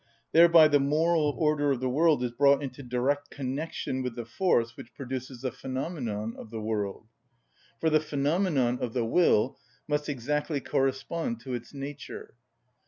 Thereby the moral order of the world is brought into direct connection with the force which produces the phenomenon of the world. For the phenomenon of the will must exactly correspond to its nature.